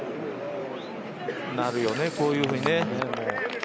なるよね、こういうふうにね。